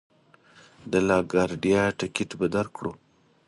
د لا ګارډیا ټکټ به درکړو.